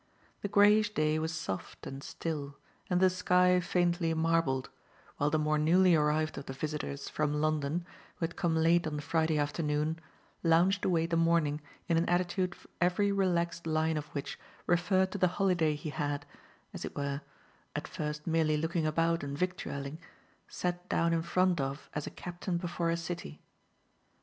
The greyish day was soft and still and the sky faintly marbled, while the more newly arrived of the visitors from London, who had come late on the Friday afternoon, lounged away the morning in an attitude every relaxed line of which referred to the holiday he had, as it were at first merely looking about and victualling sat down in front of as a captain before a city.